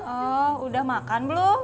oh udah makan belum